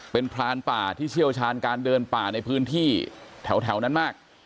เป็นพรานป่าที่เชี่ยวชาญการเดินป่าในพื้นที่แถวนั้นมาก